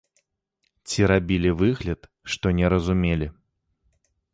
Ці рабілі выгляд, што не разумелі.